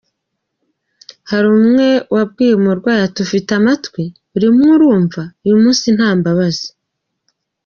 Hari umwe wabwiye umurwayi ati “Ufite amatwi? Urimo urumva? Uyu munsi nta mbabazi.